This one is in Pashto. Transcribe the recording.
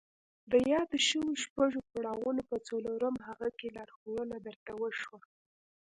د يادو شويو شپږو پړاوونو په څلورم هغه کې لارښوونه درته وشوه.